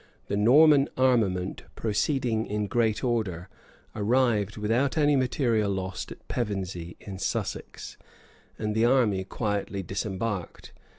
The Norman armament, proceeding in great order, arrived, without any material loss, at Pevensey, in Sussex; and the army quietly disembarked.